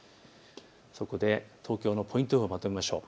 そこで東京のポイント予報をまとめましょう。